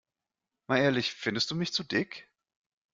Mal ehrlich, findest du mich zu dick?